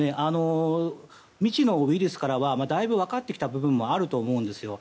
未知のウイルスからはだいぶ分かってきた部分もあると思うんです。